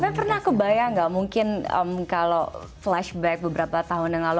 tapi pernah aku bayang nggak mungkin kalau flashback beberapa tahun yang lalu